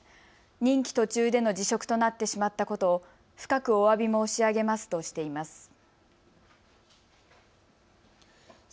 任期途中での辞職となってしまったことを深くおわび申し上げますとしています。